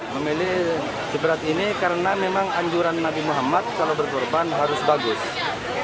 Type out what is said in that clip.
memilih seberat ini karena memang anjuran nabi muhammad kalau berkorban harus bagus